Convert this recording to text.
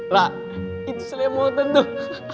loh ini tuh seremotan tuh